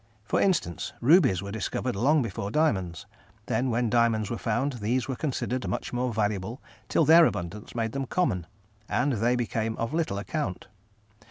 For instance, rubies were discovered long before diamonds; then when diamonds were found these were considered much more valuable till their abundance made them common, and they became of little account.